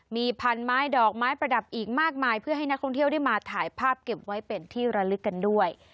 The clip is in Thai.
มีพันไม้ดอกไม้ประดับอีกมากมายเพื่อให้นักท่องเที่ยวได้มาถ่ายภาพเก็บไว้เป็นที่ระลึกกันด้วย